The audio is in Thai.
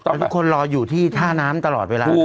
แต่ทุกคนรออยู่ที่ท่าน้ำตลอดเวลา